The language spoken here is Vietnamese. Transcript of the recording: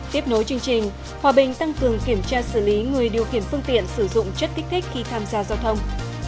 thường kiểm tra xử lý người điều khiển phương tiện sử dụng chất kích thích khi tham gia giao thông